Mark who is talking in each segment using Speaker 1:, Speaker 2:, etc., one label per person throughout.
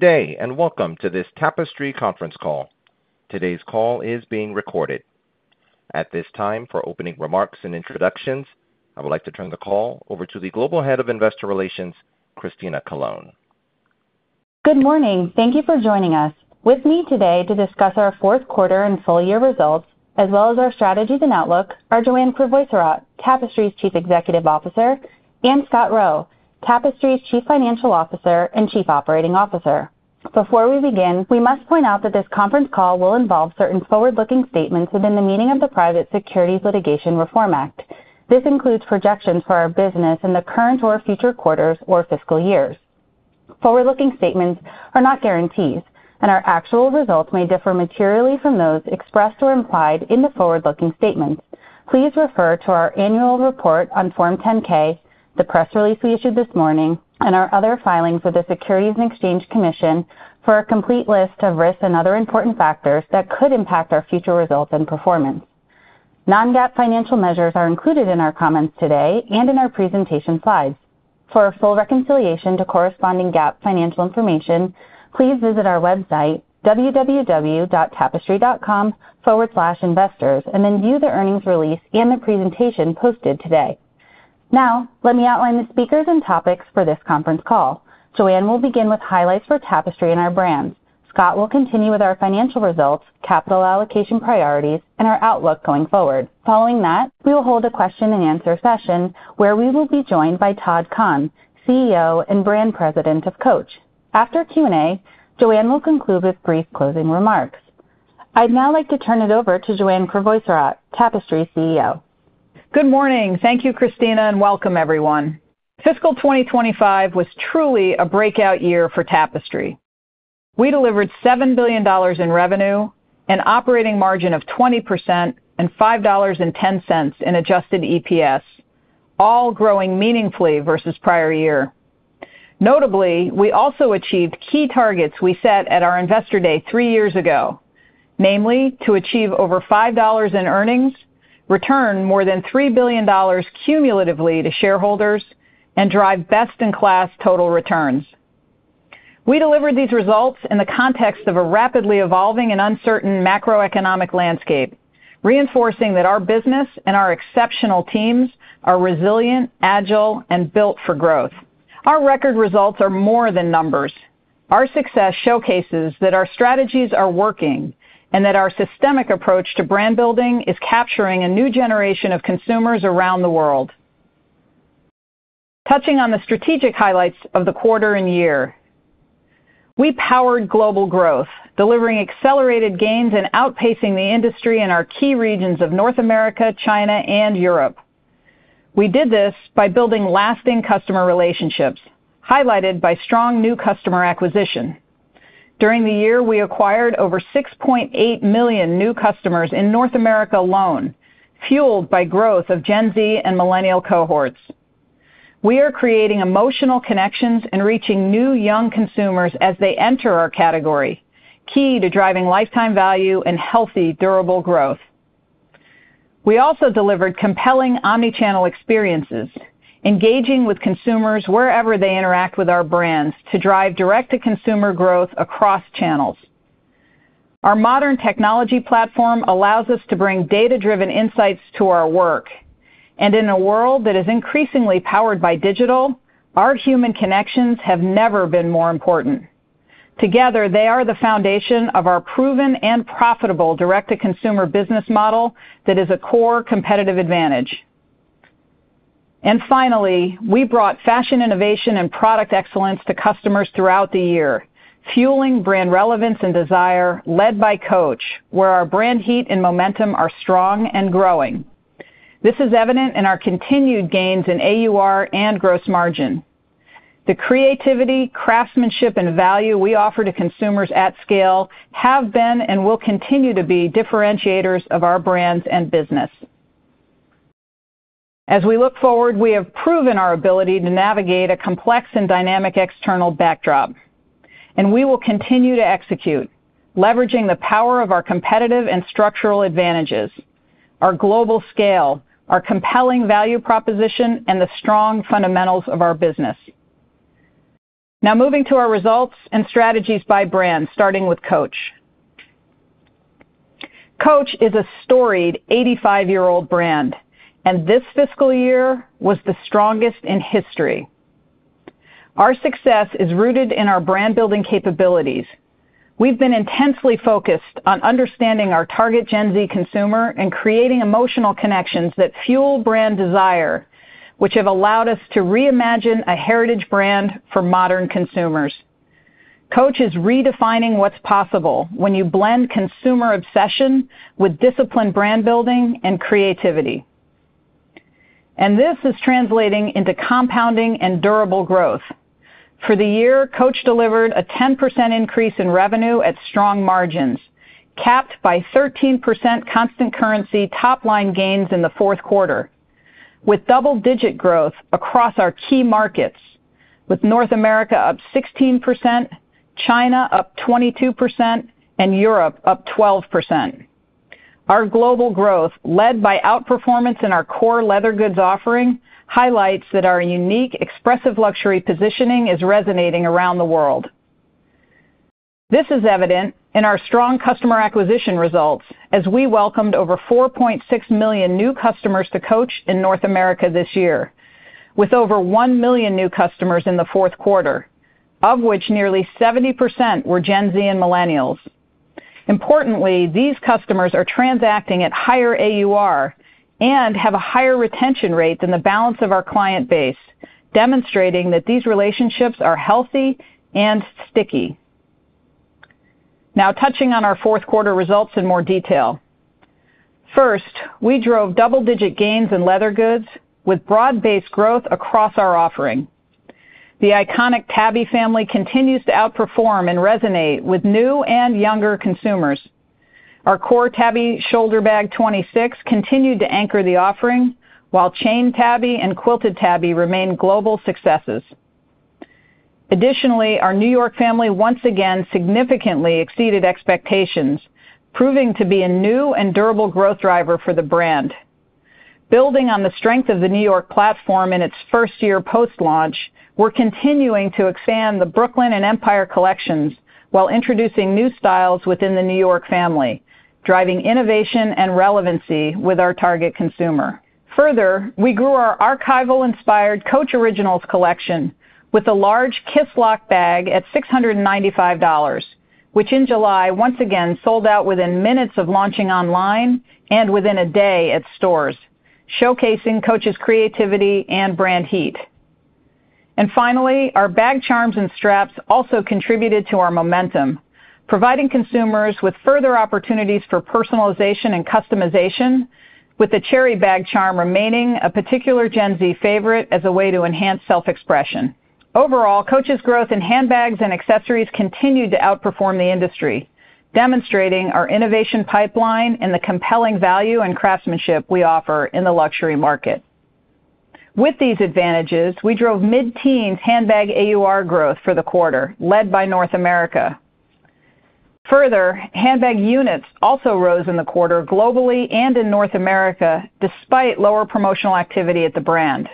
Speaker 1: Today, and welcome to this Tapestry conference call. Today's call is being recorded. At this time, for opening remarks and introductions, I would like to turn the call over to the Global Head of Investor Relations, Christina Colone.
Speaker 2: Good morning. Thank you for joining us. With me today to discuss our fourth quarter and full-year results, as well as our strategies and outlook, are Joanne Crevoiserat, Tapestry's Chief Executive Officer, and Scott Roe, Tapestry's Chief Financial Officer and Chief Operating Officer. Before we begin, we must point out that this conference call will involve certain forward-looking statements within the meaning of the Private Securities Litigation Reform Act. This includes projections for our business in the current or future quarters or fiscal years. Forward-looking statements are not guarantees, and our actual results may differ materially from those expressed or implied in the forward-looking statements. Please refer to our annual report on Form 10-K, the press release we issued this morning, and our other filings with the Securities and Exchange Commission for a complete list of risks and other important factors that could impact our future results and performance. Non-GAAP financial measures are included in our comments today and in our presentation slides. For a full reconciliation to corresponding GAAP financial information, please visit our website www.tapestry.com/investors, and then view the earnings release and the presentation posted today. Now, let me outline the speakers and topics for this conference call. Joanne will begin with highlights for Tapestry and our brand. Scott will continue with our financial results, capital allocation priorities, and our outlook going forward. Following that, we will hold a question and answer session where we will be joined by Todd Kahn, CEO and Brand President of Coach. After Q&A, Joanne will conclude with brief closing remarks. I'd now like to turn it over to Joanne Crevoiserat, Tapestry's CEO.
Speaker 3: Good morning. Thank you, Christina, and welcome, everyone. Fiscal 2025 was truly a breakout year for Tapestry. We delivered $7 billion in revenue, an operating margin of 20%, and $5.10 in adjusted EPS, all growing meaningfully versus prior year. Notably, we also achieved key targets we set at our Investor Day three years ago, namely to achieve over $5 in earnings, return more than $3 billion cumulatively to shareholders, and drive best-in-class total returns. We delivered these results in the context of a rapidly evolving and uncertain macroeconomic landscape, reinforcing that our business and our exceptional teams are resilient, agile, and built for growth. Our record results are more than numbers. Our success showcases that our strategies are working and that our systemic approach to brand building is capturing a new generation of consumers around the world. Touching on the strategic highlights of the quarter and year, we powered global growth, delivering accelerated gains and outpacing the industry in our key regions of North America, China, and Europe. We did this by building lasting customer relationships, highlighted by strong new customer acquisition. During the year, we acquired over 6.8 million new customers in North America alone, fueled by growth of Gen Z and Millennial cohorts. We are creating emotional connections and reaching new young consumers as they enter our category, key to driving lifetime value and healthy, durable growth. We also delivered compelling omnichannel experiences, engaging with consumers wherever they interact with our brands to drive direct-to-consumer growth across channels. Our modern technology platform allows us to bring data-driven insights to our work. In a world that is increasingly powered by digital, our human connections have never been more important. Together, they are the foundation of our proven and profitable direct-to-consumer business model that is a core competitive advantage. Finally, we brought fashion innovation and product excellence to customers throughout the year, fueling brand relevance and desire led by Coach, where our brand heat and momentum are strong and growing. This is evident in our continued gains in AUR and gross margin. The creativity, craftsmanship, and value we offer to consumers at scale have been and will continue to be differentiators of our brands and business. As we look forward, we have proven our ability to navigate a complex and dynamic external backdrop. We will continue to execute, leveraging the power of our competitive and structural advantages, our global scale, our compelling value proposition, and the strong fundamentals of our business. Now, moving to our results and strategies by brand, starting with Coach. Coach is a storied 85-year-old brand, and this fiscal year was the strongest in history. Our success is rooted in our brand-building capabilities. We've been intensely focused on understanding our target Gen Z consumer and creating emotional connections that fuel brand desire, which have allowed us to reimagine a heritage brand for modern consumers. Coach is redefining what's possible when you blend consumer obsession with disciplined brand building and creativity. This is translating into compounding and durable growth. For the year, Coach delivered a 10% increase in revenue at strong margins, capped by 13% constant currency top-line gains in the fourth quarter, with double-digit growth across our key markets, with North America up 16%, China up 22%, and Europe up 12%. Our global growth, led by outperformance in our core leather goods offering, highlights that our unique, expressive luxury positioning is resonating around the world. This is evident in our strong customer acquisition results, as we welcomed over 4.6 million new customers to Coach in North America this year, with over 1 million new customers in the fourth quarter, of which nearly 70% were Gen Z and Millennials. Importantly, these customers are transacting at higher AUR and have a higher retention rate than the balance of our client base, demonstrating that these relationships are healthy and sticky. Now, touching on our fourth quarter results in more detail. First, we drove double-digit gains in leather goods, with broad-based growth across our offering. The iconic Tabby family continues to outperform and resonate with new and younger consumers. Our core Tabby Shoulder Bag 26 continued to anchor the offering, while Chain Tabby and Quilted Tabby remain global successes. Additionally, our New York family once again significantly exceeded expectations, proving to be a new and durable growth driver for the brand. Building on the strength of the New York platform in its first year post-launch, we're continuing to expand the Brooklyn and Empire collections while introducing new styles within the New York family, driving innovation and relevancy with our target consumer. Further, we grew our archival-inspired Coach Originals collection with a large Kiss Lock bag at $695, which in July once again sold out within minutes of launching online and within a day at stores, showcasing Coach's creativity and brand heat. Finally, our bag charms and straps also contributed to our momentum, providing consumers with further opportunities for personalization and customization, with the cherry bag charm remaining a particular Gen Z favorite as a way to enhance self-expression. Overall, Coach's growth in handbags and accessories continued to outperform the industry, demonstrating our innovation pipeline and the compelling value and craftsmanship we offer in the luxury market. With these advantages, we drove mid-teens handbag AUR growth for the quarter, led by North America. Further, handbag units also rose in the quarter globally and in North America, despite lower promotional activity at the brand.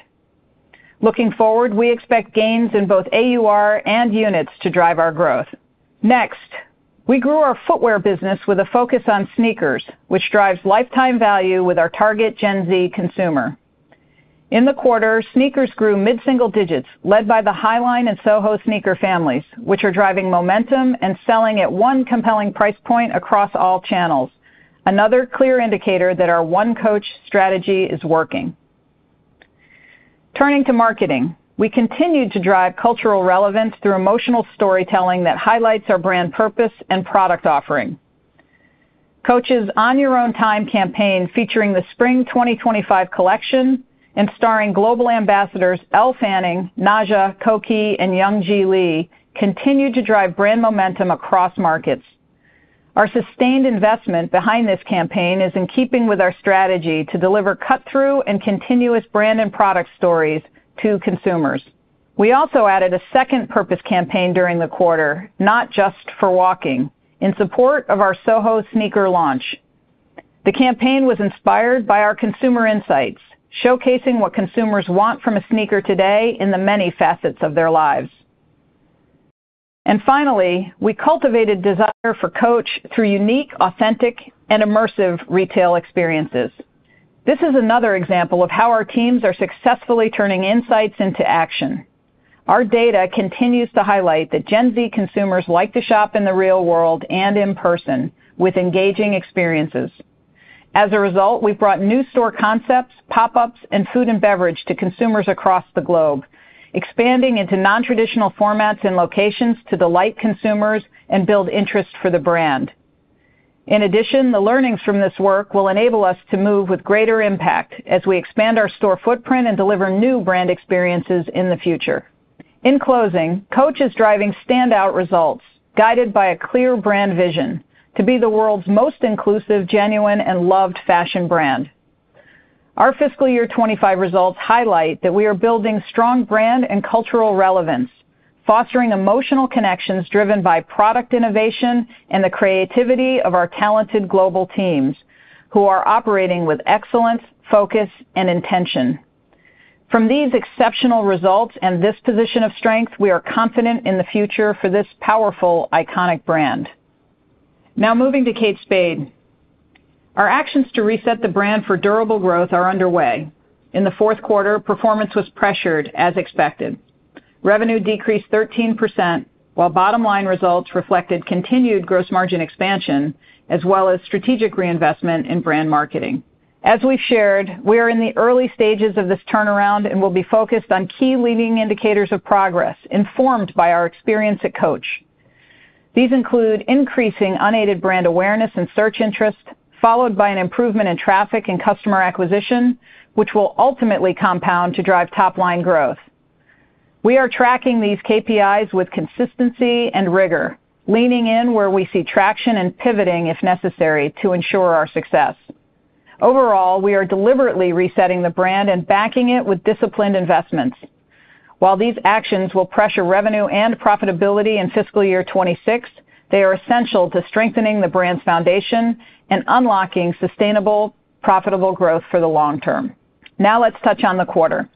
Speaker 3: Looking forward, we expect gains in both AUR and units to drive our growth. Next, we grew our footwear business with a focus on sneakers, which drives lifetime value with our target Gen Z consumer. In the quarter, sneakers grew mid-single digits, led by the High Line and Soho sneaker families, which are driving momentum and selling at one compelling price point across all channels, another clear indicator that our One Coach strategy is working. Turning to marketing, we continued to drive cultural relevance through emotional storytelling that highlights our brand purpose and product offering. Coach's On Your Own Time campaign, featuring the spring 2025 collection and starring global ambassadors Elle Fanning, Nazha, Kōki, and Youngji Lee, continued to drive brand momentum across markets. Our sustained investment behind this campaign is in keeping with our strategy to deliver cut-through and continuous brand and product stories to consumers. We also added a second purpose campaign during the quarter, Not Just for Walking, in support of our Soho sneaker launch. The campaign was inspired by our consumer insights, showcasing what consumers want from a sneaker today in the many facets of their lives. Finally, we cultivated desire for Coach through unique, authentic, and immersive retail experiences. This is another example of how our teams are successfully turning insights into action. Our data continues to highlight that Gen Z consumers like to shop in the real world and in person, with engaging experiences. As a result, we've brought new store concepts, pop-ups, and food and beverage to consumers across the globe, expanding into non-traditional formats and locations to delight consumers and build interest for the brand. In addition, the learnings from this work will enable us to move with greater impact as we expand our store footprint and deliver new brand experiences in the future. In closing, Coach is driving standout results, guided by a clear brand vision to be the world's most inclusive, genuine, and loved fashion brand. Our fiscal year 2025 results highlight that we are building strong brand and cultural relevance, fostering emotional connections driven by product innovation and the creativity of our talented global teams, who are operating with excellence, focus, and intention. From these exceptional results and this position of strength, we are confident in the future for this powerful, iconic brand. Now, moving to Kate Spade. Our actions to reset the brand for durable growth are underway. In the fourth quarter, performance was pressured, as expected. Revenue decreased 13%, while bottom-line results reflected continued gross margin expansion, as well as strategic reinvestment in brand marketing. As we've shared, we are in the early stages of this turnaround and will be focused on key leading indicators of progress, informed by our experience at Coach. These include increasing unaided brand awareness and search interest, followed by an improvement in traffic and customer acquisition, which will ultimately compound to drive top-line growth. We are tracking these KPIs with consistency and rigor, leaning in where we see traction and pivoting, if necessary, to ensure our success. Overall, we are deliberately resetting the brand and backing it with disciplined investments. While these actions will pressure revenue and profitability in fiscal year 2026, they are essential to strengthening the brand's foundation and unlocking sustainable, profitable growth for the long term. Now, let's touch on the quarter.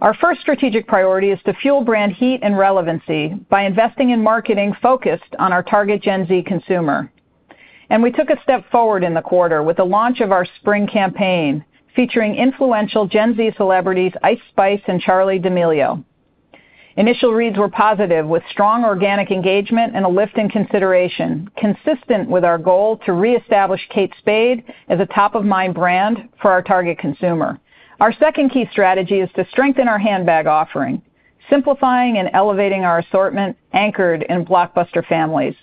Speaker 3: Our first strategic priority is to fuel brand heat and relevancy by investing in marketing focused on our target Gen Z consumer. We took a step forward in the quarter with the launch of our spring campaign, featuring influential Gen Z celebrities Ice Spice and Charli D’Amelio. Initial reads were positive, with strong organic engagement and a lift in consideration, consistent with our goal to reestablish Kate Spade as a top-of-mind brand for our target consumer. Our second key strategy is to strengthen our handbag offering, simplifying and elevating our assortment anchored in blockbuster families.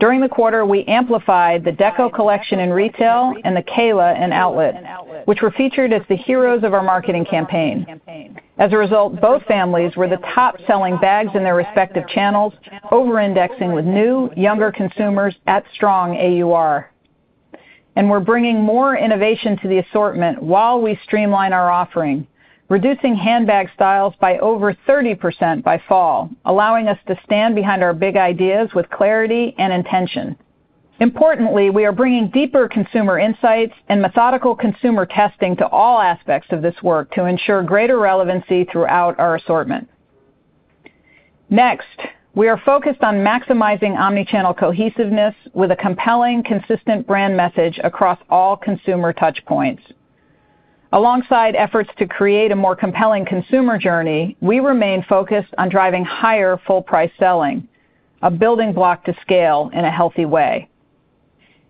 Speaker 3: During the quarter, we amplified the Deco collection in retail and the Kayla in outlet, which were featured as the heroes of our marketing campaign. As a result, both families were the top-selling bags in their respective channels, over-indexing with new, younger consumers at strong AUR. We are bringing more innovation to the assortment while we streamline our offering, reducing handbag styles by over 30% by fall, allowing us to stand behind our big ideas with clarity and intention. Importantly, we are bringing deeper consumer insights and methodical consumer testing to all aspects of this work to ensure greater relevancy throughout our assortment. Next, we are focused on maximizing omnichannel cohesiveness with a compelling, consistent brand message across all consumer touchpoints. Alongside efforts to create a more compelling consumer journey, we remain focused on driving higher full-price selling, a building block to scale in a healthy way.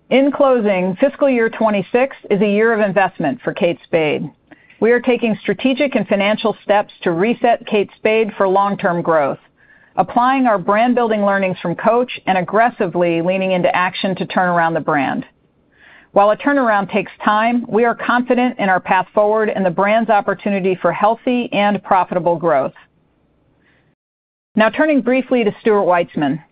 Speaker 3: In closing, fiscal year 2026 is a year of investment for Kate Spade. We are taking strategic and financial steps to reset Kate Spade for long-term growth, applying our brand-building learnings from Coach and aggressively leaning into action to turn around the brand. While a turnaround takes time, we are confident in our path forward and the brand's opportunity for healthy and profitable growth. Now, turning briefly to Stuart Weitzman.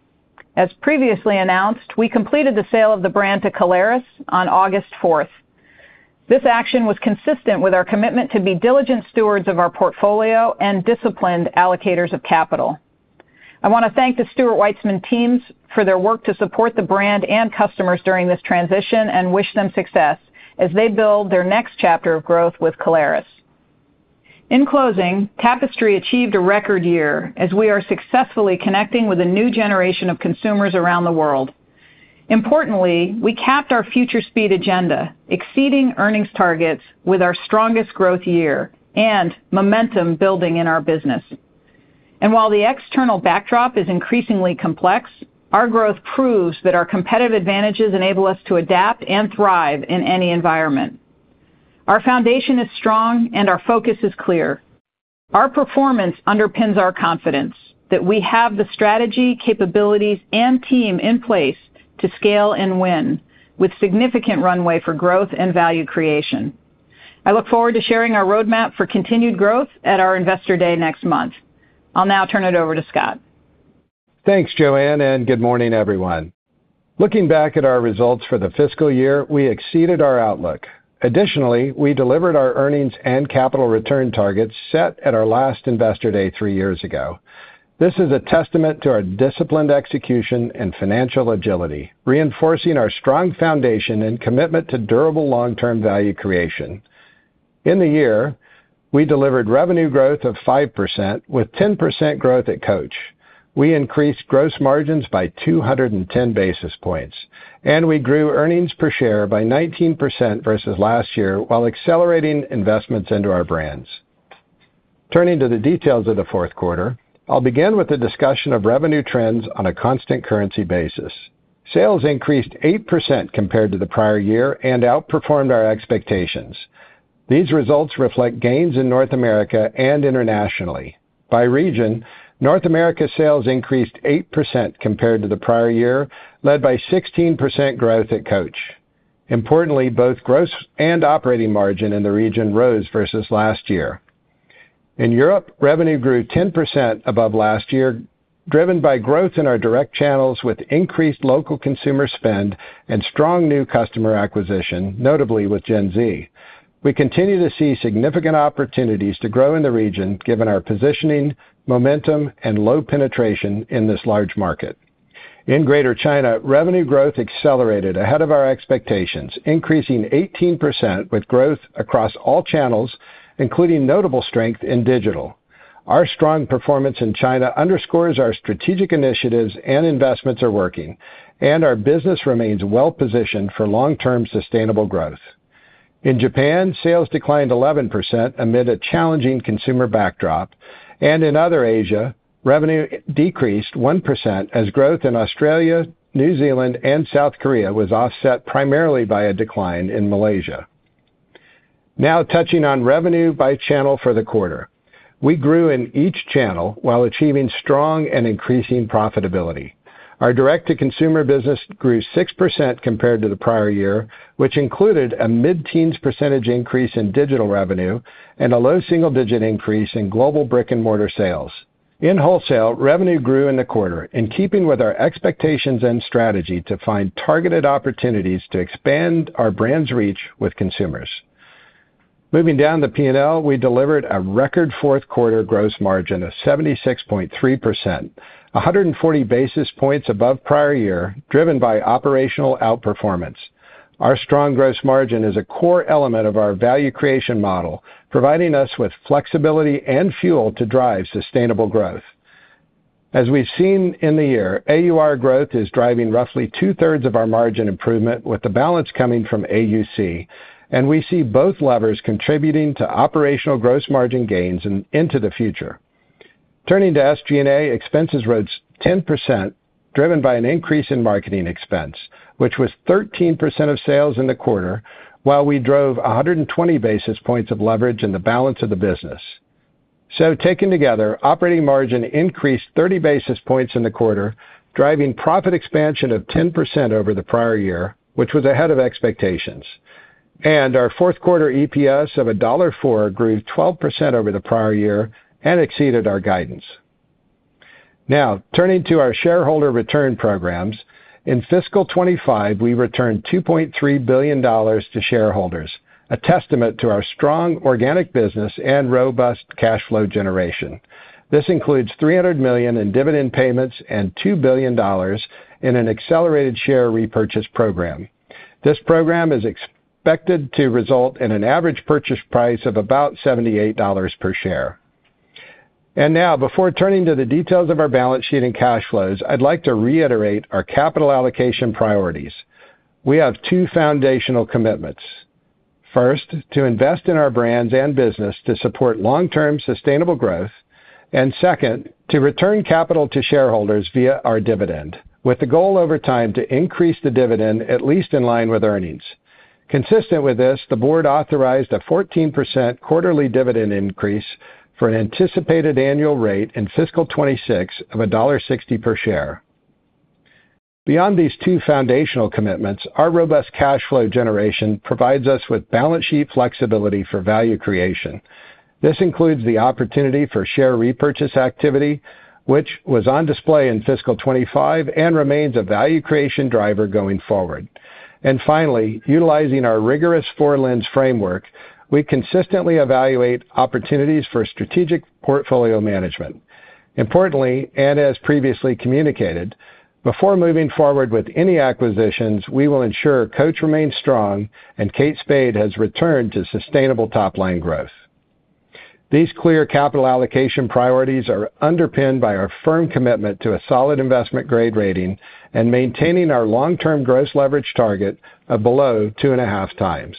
Speaker 3: As previously announced, we completed the sale of the brand to Caleres on August 4th. This action was consistent with our commitment to be diligent stewards of our portfolio and disciplined allocators of capital. I want to thank the Stuart Weitzman teams for their work to support the brand and customers during this transition and wish them success as they build their next chapter of growth with Caleres. In closing, Tapestry achieved a record year as we are successfully connecting with a new generation of consumers around the world. Importantly, we capped our future speed agenda, exceeding earnings targets with our strongest growth year and momentum building in our business. While the external backdrop is increasingly complex, our growth proves that our competitive advantages enable us to adapt and thrive in any environment. Our foundation is strong and our focus is clear. Our performance underpins our confidence that we have the strategy, capabilities, and team in place to scale and win, with significant runway for growth and value creation. I look forward to sharing our roadmap for continued growth at our Investor Day next month. I'll now turn it over to Scott.
Speaker 4: Thanks, Joanne, and good morning, everyone. Looking back at our results for the fiscal year, we exceeded our outlook. Additionally, we delivered our earnings and capital return targets set at our last Investor Day three years ago. This is a testament to our disciplined execution and financial agility, reinforcing our strong foundation and commitment to durable long-term value creation. In the year, we delivered revenue growth of 5%, with 10% growth at Coach. We increased gross margins by 210 basis points, and we grew earnings per share by 19% versus last year, while accelerating investments into our brands. Turning to the details of the fourth quarter, I'll begin with a discussion of revenue trends on a constant currency basis. Sales increased 8% compared to the prior year and outperformed our expectations. These results reflect gains in North America and internationally. By region, North America sales increased 8% compared to the prior year, led by 16% growth at Coach. Importantly, both gross and operating margin in the region rose versus last year. In Europe, revenue grew 10% above last year, driven by growth in our direct channels with increased local consumer spend and strong new customer acquisition, notably with Gen Z. We continue to see significant opportunities to grow in the region, given our positioning, momentum, and low penetration in this large market. In greater China, revenue growth accelerated ahead of our expectations, increasing 18% with growth across all channels, including notable strength in digital. Our strong performance in China underscores our strategic initiatives and investments are working, and our business remains well-positioned for long-term sustainable growth. In Japan, sales declined 11% amid a challenging consumer backdrop, and in other Asia, revenue decreased 1% as growth in Australia, New Zealand, and South Korea was offset primarily by a decline in Malaysia. Now, touching on revenue by channel for the quarter, we grew in each channel while achieving strong and increasing profitability. Our direct-to-consumer business grew 6% compared to the prior year, which included a mid-teens percentage increase in digital revenue and a low single-digit increase in global brick-and-mortar sales. In wholesale, revenue grew in the quarter, in keeping with our expectations and strategy to find targeted opportunities to expand our brand's reach with consumers. Moving down the P&L, we delivered a record fourth-quarter gross margin of 76.3%, 140 basis points above prior year, driven by operational outperformance. Our strong gross margin is a core element of our value creation model, providing us with flexibility and fuel to drive sustainable growth. As we've seen in the year, AUR growth is driving roughly 2/3 of our margin improvement, with the balance coming from AUC, and we see both levers contributing to operational gross margin gains and into the future. Turning to SG&A, expenses rose 10%, driven by an increase in marketing expense, which was 13% of sales in the quarter, while we drove 120 basis points of leverage in the balance of the business. Taken together, operating margin increased 30 basis points in the quarter, driving profit expansion of 10% over the prior year, which was ahead of expectations. Our fourth-quarter EPS of $1.40 grew 12% over the prior year and exceeded our guidance. Now, turning to our shareholder return programs, in fiscal 2025, we returned $2.3 billion to shareholders, a testament to our strong organic business and robust cash flow generation. This includes $300 million in dividend payments and $2 billion in an accelerated share repurchase program. This program is expected to result in an average purchase price of about $78 per share. Before turning to the details of our balance sheet and cash flows, I'd like to reiterate our capital allocation priorities. We have two foundational commitments. First, to invest in our brands and business to support long-term sustainable growth, and second, to return capital to shareholders via our dividend, with the goal over time to increase the dividend at least in line with earnings. Consistent with this, the board authorized a 14% quarterly dividend increase for an anticipated annual rate in fiscal 2026 of $1.60 per share. Beyond these two foundational commitments, our robust cash flow generation provides us with balance sheet flexibility for value creation. This includes the opportunity for share repurchase activity, which was on display in fiscal 2025 and remains a value creation driver going forward. Finally, utilizing our rigorous four lens framework, we consistently evaluate opportunities for strategic portfolio management. Importantly, and as previously communicated, before moving forward with any acquisitions, we will ensure Coach remains strong and Kate Spade has returned to sustainable top-line growth. These clear capital allocation priorities are underpinned by our firm commitment to a solid investment grade rating and maintaining our long-term gross leverage target of below 2.5x.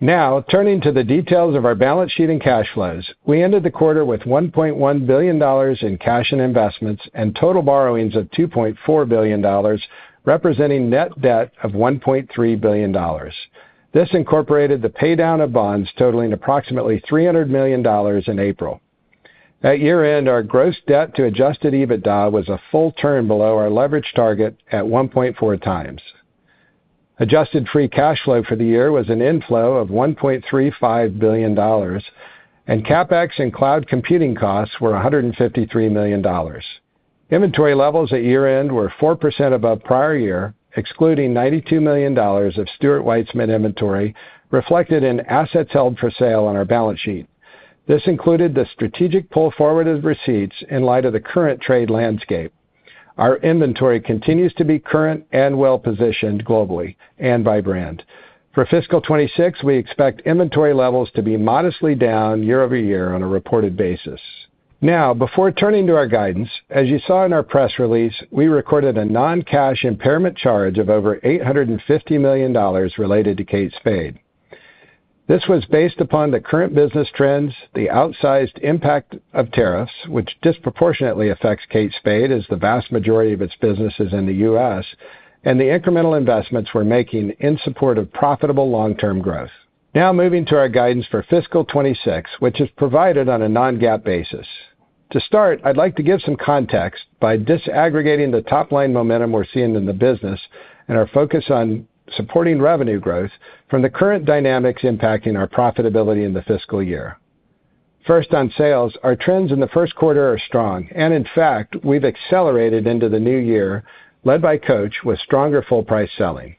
Speaker 4: Now, turning to the details of our balance sheet and cash flows, we ended the quarter with $1.1 billion in cash and investments and total borrowings of $2.4 billion, representing net debt of $1.3 billion. This incorporated the paydown of bonds totaling approximately $300 million in April. At year-end, our gross debt to adjusted EBITDA was a full turn below our leverage target at 1.4x. Adjusted free cash flow for the year was an inflow of $1.35 billion, and CapEx and cloud computing costs were $153 million. Inventory levels at year-end were 4% above prior year, excluding $92 million of Stuart Weitzman inventory reflected in assets held for sale on our balance sheet. This included the strategic pull forward of receipts in light of the current trade landscape. Our inventory continues to be current and well-positioned globally and by brand. For fiscal 2026, we expect inventory levels to be modestly down year-over-year on a reported basis. Now, before turning to our guidance, as you saw in our press release, we recorded a non-cash impairment charge of over $850 million related to Kate Spade. This was based upon the current business trends, the outsized impact of tariffs, which disproportionately affects Kate Spade as the vast majority of its business is in the U.S., and the incremental investments we're making in support of profitable long-term growth. Now, moving to our guidance for fiscal 2026, which is provided on a non-GAAP basis. To start, I'd like to give some context by disaggregating the top-line momentum we're seeing in the business and our focus on supporting revenue growth from the current dynamics impacting our profitability in the fiscal year. First, on sales, our trends in the first quarter are strong, and in fact, we've accelerated into the new year, led by Coach, with stronger full-price selling.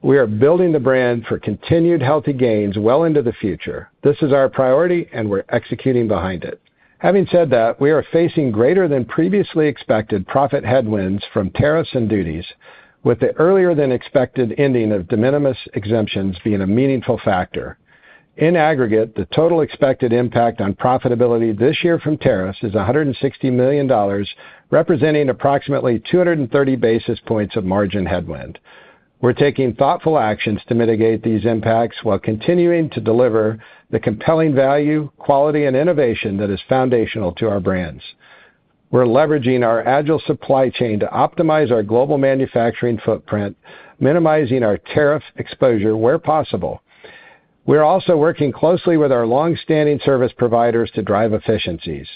Speaker 4: We are building the brand for continued healthy gains well into the future. This is our priority, and we're executing behind it. Having said that, we are facing greater than previously expected profit headwinds from tariffs and duties, with the earlier-than-expected ending of de minimis exemptions being a meaningful factor. In aggregate, the total expected impact on profitability this year from tariffs is $160 million, representing approximately 230 basis points of margin headwind. We're taking thoughtful actions to mitigate these impacts while continuing to deliver the compelling value, quality, and innovation that is foundational to our brands. We're leveraging our agile supply chain to optimize our global manufacturing footprint, minimizing our tariff exposure where possible. We're also working closely with our longstanding service providers to drive efficiencies.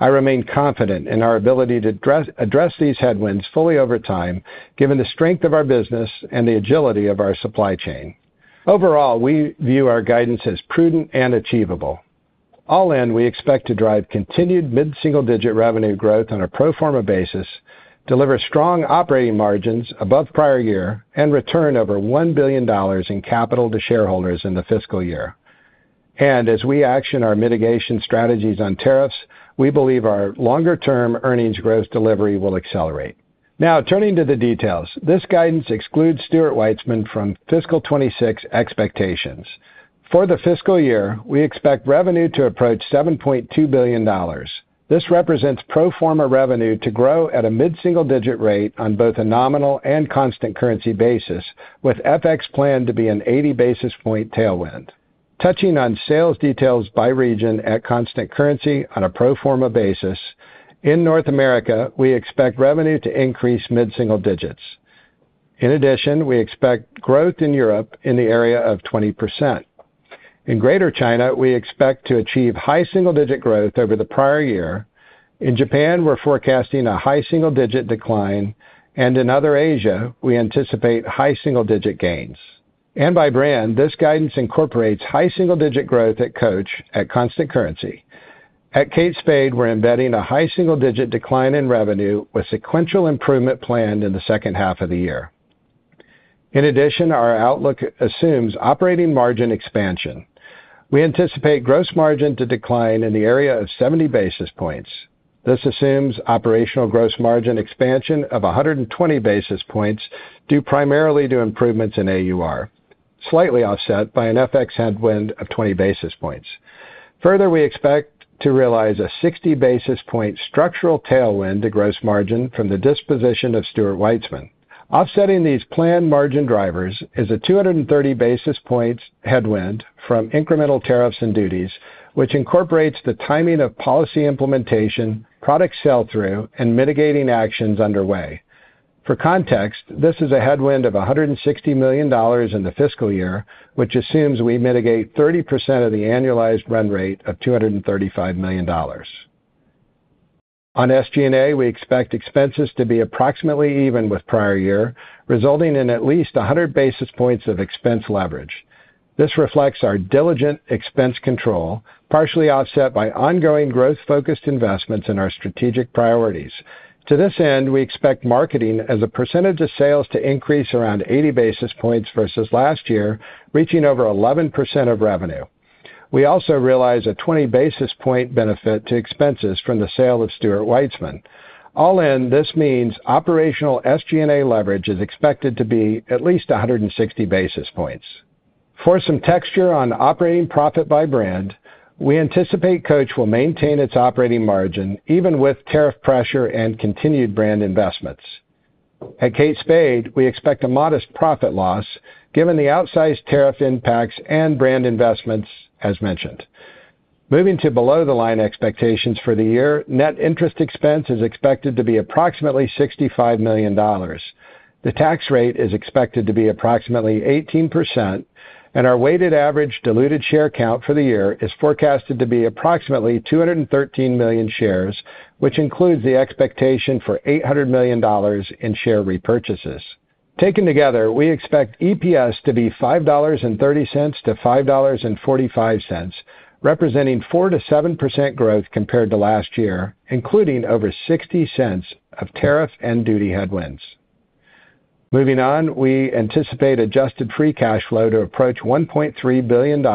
Speaker 4: I remain confident in our ability to address these headwinds fully over time, given the strength of our business and the agility of our supply chain. Overall, we view our guidance as prudent and achievable. All in, we expect to drive continued mid-single-digit revenue growth on a pro forma basis, deliver strong operating margins above prior year, and return over $1 billion in capital to shareholders in the fiscal year. As we action our mitigation strategies on tariffs, we believe our longer-term earnings growth delivery will accelerate. Now, turning to the details, this guidance excludes Stuart Weitzman from fiscal 2026 expectations. For the fiscal year, we expect revenue to approach $7.2 billion. This represents pro forma revenue to grow at a mid-single-digit rate on both a nominal and constant currency basis, with FX planned to be an 80 basis point tailwind. Touching on sales details by region at constant currency on a pro forma basis, in North America, we expect revenue to increase mid-single digits. In addition, we expect growth in Europe in the area of 20%. In greater China, we expect to achieve high single-digit growth over the prior year. In Japan, we're forecasting a high single-digit decline, and in other Asia, we anticipate high single-digit gains. By brand, this guidance incorporates high single-digit growth at Coach at constant currency. At Kate Spade, we're embedding a high single-digit decline in revenue with sequential improvement planned in the second half of the year. In addition, our outlook assumes operating margin expansion. We anticipate gross margin to decline in the area of 70 basis points. This assumes operational gross margin expansion of 120 basis points, due primarily to improvements in AUR, slightly offset by an FX headwind of 20 basis points. Further, we expect to realize a 60 basis point structural tailwind to gross margin from the disposition of Stuart Weitzman. Offsetting these planned margin drivers is a 230 basis points headwind from incremental tariffs and duties, which incorporates the timing of policy implementation, product sell-through, and mitigating actions underway. For context, this is a headwind of $160 million in the fiscal year, which assumes we mitigate 30% of the annualized run rate of $235 million. On SG&A, we expect expenses to be approximately even with prior year, resulting in at least 100 basis points of expense leverage. This reflects our diligent expense control, partially offset by ongoing growth-focused investments in our strategic priorities. To this end, we expect marketing as a percentage of sales to increase around 80 basis points versus last year, reaching over 11% of revenue. We also realize a 20 basis point benefit to expenses from the sale of Stuart Weitzman. All in, this means operational SG&A leverage is expected to be at least 160 basis points. For some texture on operating profit by brand, we anticipate Coach will maintain its operating margin even with tariff pressure and continued brand investments. At Kate Spade, we expect a modest profit loss given the outsized tariff impacts and brand investments, as mentioned. Moving to below-the-line expectations for the year, net interest expense is expected to be approximately $65 million. The tax rate is expected to be approximately 18%, and our weighted average diluted share count for the year is forecasted to be approximately 213 million shares, which includes the expectation for $800 million in share repurchases. Taken together, we expect EPS to be $5.30-$5.45, representing 4%-7% growth compared to last year, including over $0.60 of tariff and duty headwinds. Moving on, we anticipate adjusted free cash flow to approach $1.3 billion,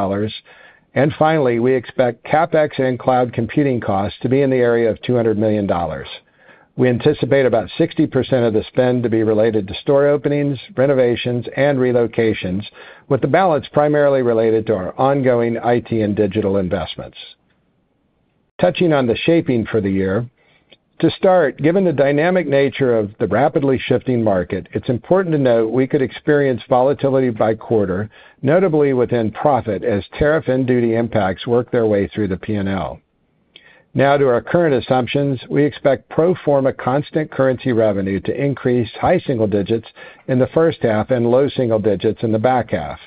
Speaker 4: and finally, we expect CapEx and cloud computing costs to be in the area of $200 million. We anticipate about 60% of the spend to be related to store openings, renovations, and relocations, with the balance primarily related to our ongoing IT and digital investments. Touching on the shaping for the year, to start, given the dynamic nature of the rapidly shifting market, it's important to note we could experience volatility by quarter, notably within profit, as tariff and duty impacts work their way through the P&L. Now, to our current assumptions, we expect pro forma constant currency revenue to increase high single digits in the first half and low single digits in the back half.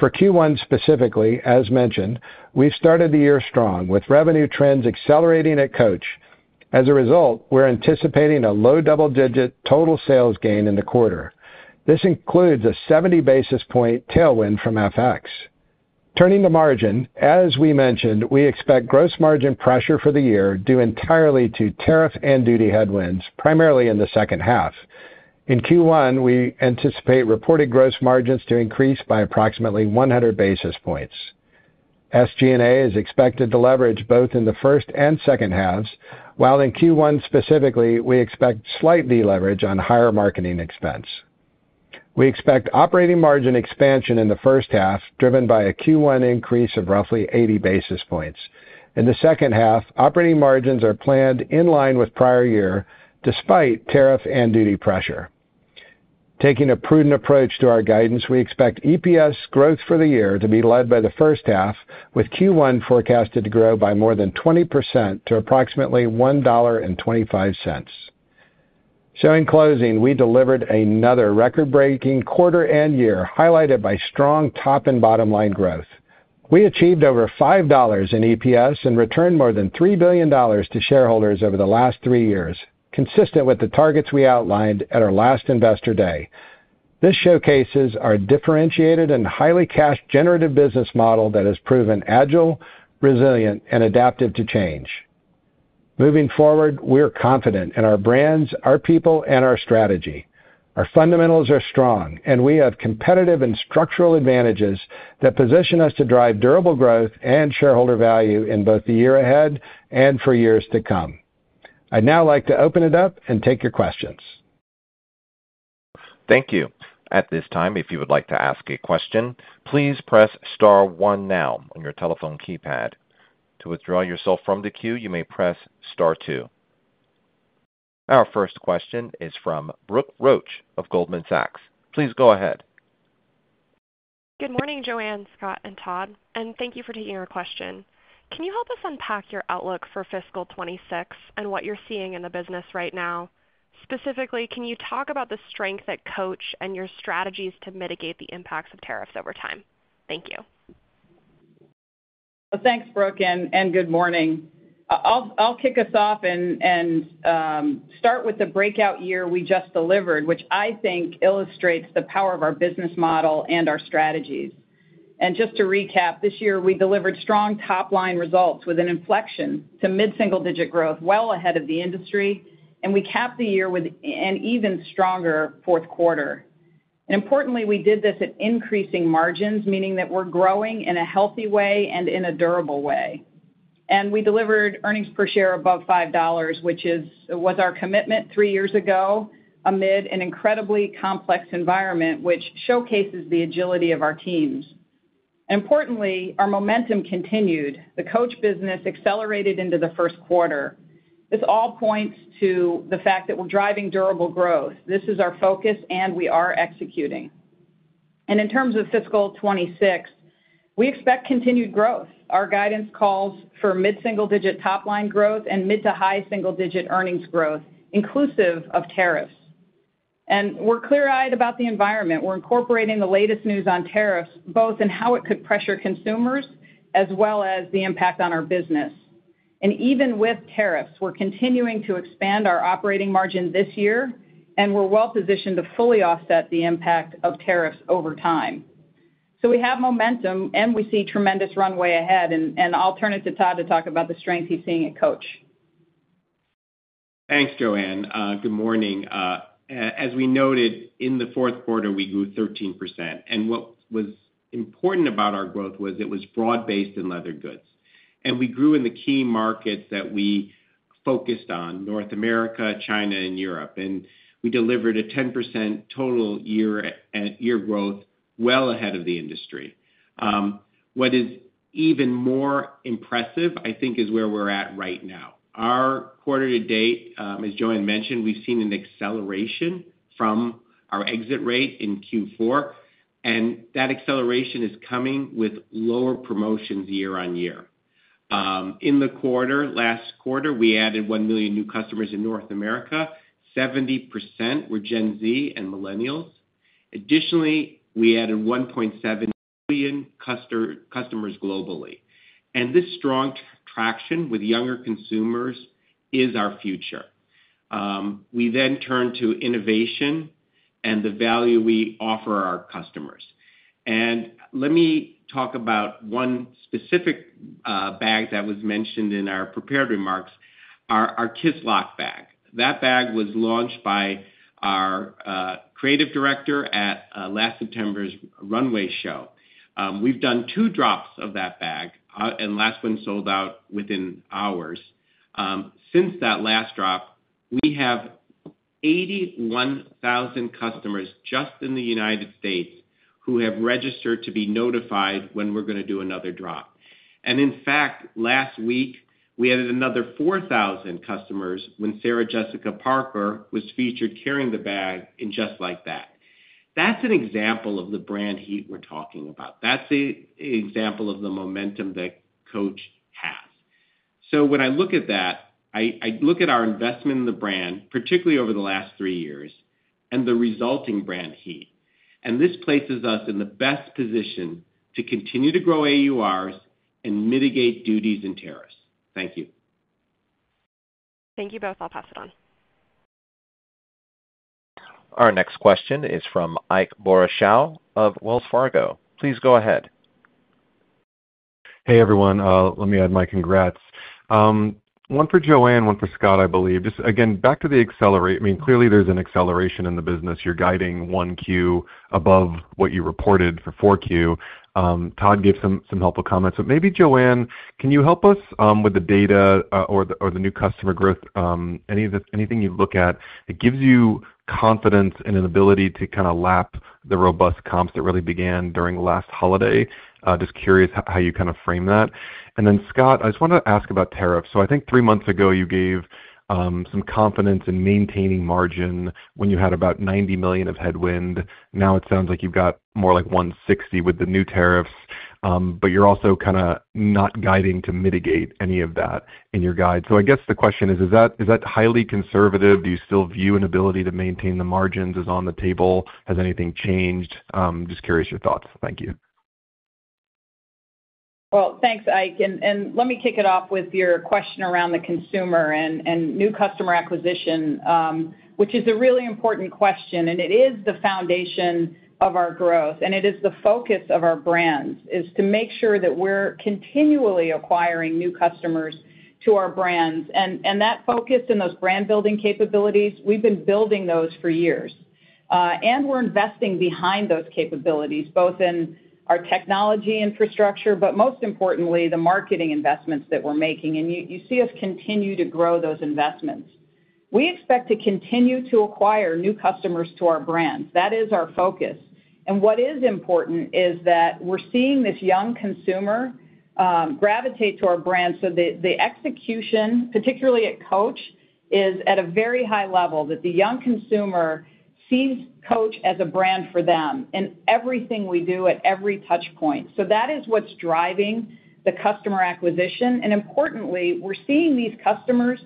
Speaker 4: For Q1 specifically, as mentioned, we've started the year strong with revenue trends accelerating at Coach. As a result, we're anticipating a low double-digit total sales gain in the quarter. This includes a 70 basis point tailwind from FX. Turning to margin, as we mentioned, we expect gross margin pressure for the year due entirely to tariff and duty headwinds, primarily in the second half. In Q1, we anticipate reported gross margins to increase by approximately 100 basis points. SG&A is expected to leverage both in the first and second halves, while in Q1 specifically, we expect slight deleverage on higher marketing expense. We expect operating margin expansion in the first half, driven by a Q1 increase of roughly 80 basis points. In the second half, operating margins are planned in line with prior year, despite tariff and duty pressure. Taking a prudent approach to our guidance, we expect EPS growth for the year to be led by the first half, with Q1 forecasted to grow by more than 20% to approximately $1.25. In closing, we delivered another record-breaking quarter and year, highlighted by strong top and bottom-line growth. We achieved over $5 in EPS and returned more than $3 billion to shareholders over the last three years, consistent with the targets we outlined at our last Investor Day. This showcases our differentiated and highly cash-generative business model that has proven agile, resilient, and adaptive to change. Moving forward, we are confident in our brands, our people, and our strategy. Our fundamentals are strong, and we have competitive and structural advantages that position us to drive durable growth and shareholder value in both the year ahead and for years to come. I'd now like to open it up and take your questions.
Speaker 1: Thank you. At this time, if you would like to ask a question, please press star one now on your telephone keypad. To withdraw yourself from the queue, you may press star two. Our first question is from Brooke Roach of Goldman Sachs. Please go ahead.
Speaker 5: Good morning, Joanne, Scott, and Todd. Thank you for taking our question. Can you help us unpack your outlook for fiscal 2026 and what you're seeing in the business right now? Specifically, can you talk about the strength at Coach and your strategies to mitigate the impacts of tariffs over time? Thank you.
Speaker 3: Thank you, Brooke, and good morning. I'll kick us off and start with the breakout year we just delivered, which I think illustrates the power of our business model and our strategies. Just to recap, this year we delivered strong top-line results with an inflection to mid-single-digit growth well ahead of the industry, and we capped the year with an even stronger fourth quarter. Importantly, we did this at increasing margins, meaning that we're growing in a healthy way and in a durable way. We delivered earnings per share above $5, which was our commitment three years ago, amid an incredibly complex environment, which showcases the agility of our teams. Importantly, our momentum continued. The Coach business accelerated into the first quarter. This all points to the fact that we're driving durable growth. This is our focus, and we are executing. In terms of fiscal 2026, we expect continued growth. Our guidance calls for mid-single-digit top-line growth and mid to high single-digit earnings growth, inclusive of tariffs. We're clear-eyed about the environment. We're incorporating the latest news on tariffs, both in how it could pressure consumers as well as the impact on our business. Even with tariffs, we're continuing to expand our operating margin this year, and we're well-positioned to fully offset the impact of tariffs over time. We have momentum, and we see tremendous runway ahead. I'll turn it to Todd to talk about the strength he's seeing at Coach.
Speaker 6: Thanks, Joanne. Good morning. As we noted, in the fourth quarter, we grew 13%. What was important about our growth was it was broad-based in leather goods. We grew in the key markets that we focused on: North America, China, and Europe. We delivered a 10% total year-to-year growth, well ahead of the industry. What is even more impressive, I think, is where we're at right now. Our quarter to date, as Joanne mentioned, we've seen an acceleration from our exit rate in Q4. That acceleration is coming with lower promotions year-on-year. In the quarter, last quarter, we added 1 million new customers in North America. 70% were Gen Z and Millennials. Additionally, we added 1.7 million customers globally. This strong traction with younger consumers is our future. We then turn to innovation and the value we offer our customers. Let me talk about one specific bag that was mentioned in our prepared remarks, our Kiss Lock bag. That bag was launched by our Creative Director at last September's runway show. We've done two drops of that bag, and the last one sold out within hours. Since that last drop, we have 81,000 customers just in the United States who have registered to be notified when we're going to do another drop. In fact, last week, we added another 4,000 customers when Sarah Jessica Parker was featured carrying the bag in Just Like That. That's an example of the brand heat we're talking about. That's an example of the momentum that Coach has. When I look at that, I look at our investment in the brand, particularly over the last three years, and the resulting brand heat. This places us in the best position to continue to grow AURs and mitigate duties and tariffs. Thank you.
Speaker 5: Thank you both. I'll pass it on.
Speaker 1: Our next question is from Ike Boruchow of Wells Fargo. Please go ahead.
Speaker 7: Hey everyone, let me add my congrats. One for Joanne, one for Scott, I believe. Just again, back to the accelerate. I mean, clearly there's an acceleration in the business. You're guiding 1Q above what you reported for 4Q. Todd gave some helpful comments, but maybe Joanne, can you help us with the data or the new customer growth? Anything you look at that gives you confidence in an ability to kind of lap the robust comps that really began during the last holiday? Just curious how you kind of frame that. Then Scott, I just wanted to ask about tariffs. I think three months ago you gave some confidence in maintaining margin when you had about $90 million of headwind. Now it sounds like you've got more like $160 million with the new tariffs, but you're also kind of not guiding to mitigate any of that in your guide. I guess the question is, is that highly conservative? Do you still view an ability to maintain the margins as on the table? Has anything changed? Just curious your thoughts. Thank you.
Speaker 3: Thank you, Ike. Let me kick it off with your question around the consumer and new customer acquisition, which is a really important question. It is the foundation of our growth. It is the focus of our brands, to make sure that we're continually acquiring new customers to our brands. That focus and those brand-building capabilities, we've been building those for years. We're investing behind those capabilities, both in our technology infrastructure, but most importantly, the marketing investments that we're making. You see us continue to grow those investments. We expect to continue to acquire new customers to our brands. That is our focus. What is important is that we're seeing this young consumer gravitate to our brand so that the execution, particularly at Coach, is at a very high level, that the young consumer sees Coach as a brand for them in everything we do at every touchpoint. That is what's driving the customer acquisition. Importantly, we're seeing these customers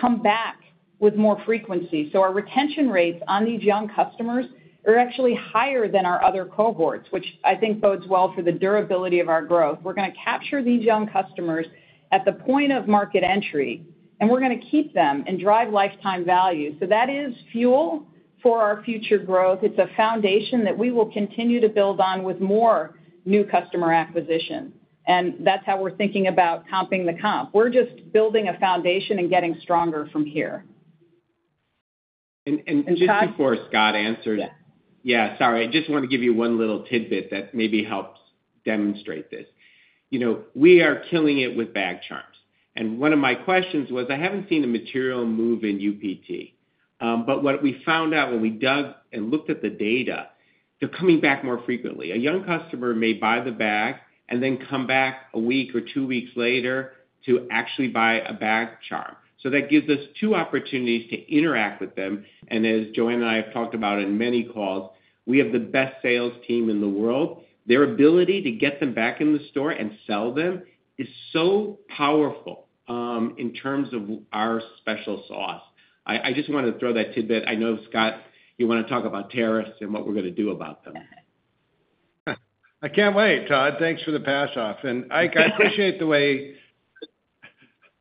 Speaker 3: come back with more frequency. Our retention rates on these young customers are actually higher than our other cohorts, which I think bodes well for the durability of our growth. We're going to capture these young customers at the point of market entry, and we're going to keep them and drive lifetime value. That is fuel for our future growth. It's a foundation that we will continue to build on with more new customer acquisition. That's how we're thinking about comping the comp. We're just building a foundation and getting stronger from here.
Speaker 6: Just before Scott answers, sorry, I just want to give you one little tidbit that maybe helps demonstrate this. We are killing it with bag charms. One of my questions was, I haven't seen a material move in UPT. What we found out when we dug and looked at the data is they're coming back more frequently. A young customer may buy the bag and then come back a week or two weeks later to actually buy a bag charm. That gives us two opportunities to interact with them. As Joanne and I have talked about in many calls, we have the best sales team in the world. Their ability to get them back in the store and sell them is so powerful in terms of our special sauce. I just want to throw that tidbit. I know Scott, you want to talk about tariffs and what we're going to do about them.
Speaker 4: I can't wait, Todd. Thanks for the pass-off. And Ike,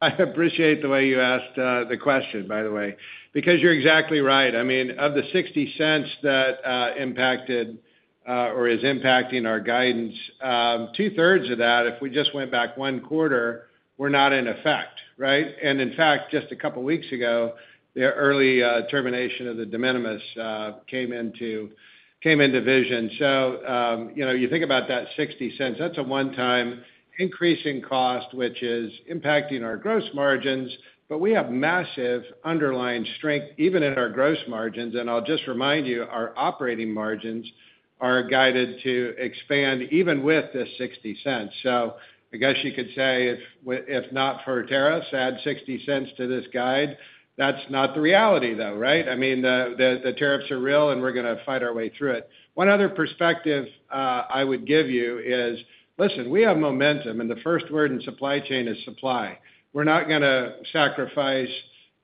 Speaker 4: I appreciate the way you asked the question, by the way, because you're exactly right. I mean, of the $0.60 that impacted or is impacting our guidance, 2/3 of that, if we just went back one quarter, were not in effect, right? In fact, just a couple of weeks ago, the early termination of the de minimis exemptions came into vision. You think about that $0.60, that's a one-time increase in cost, which is impacting our gross margins, but we have massive underlying strength even in our gross margins. I'll just remind you, our operating margins are guided to expand even with this $0.60. I guess you could say if not for tariffs, add $0.60 to this guide. That's not the reality, though, right? The tariffs are real and we're going to fight our way through it. One other perspective I would give you is, listen, we have momentum and the first word in supply chain is supply. We're not going to sacrifice